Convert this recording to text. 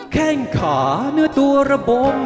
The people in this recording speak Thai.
แข้งขาเนื้อตัวระบม